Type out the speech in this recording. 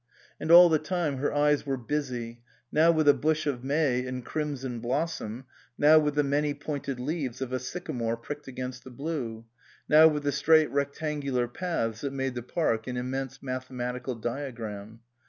And all the time her eyes were busy, now with a bush of May in crimson blos som, now with the many pointed leaves of a sycamore pricked against the blue ; now with the straight rectangular paths that made the park an immense mathematical diagram.